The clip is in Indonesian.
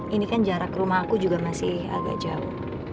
ini kan jarak rumah aku juga masih agak jauh